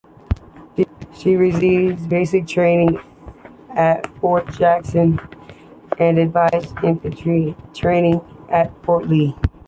She received basic training at Fort Jackson, and advanced infantry training at Fort Lee.